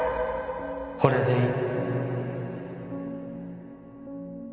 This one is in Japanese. これでいい。